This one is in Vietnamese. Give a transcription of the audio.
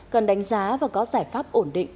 cần đánh giá và có giải pháp ổn định